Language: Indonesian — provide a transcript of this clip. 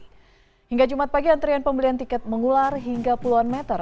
hingga jumat pagi antrian pembelian tiket mengular hingga puluhan meter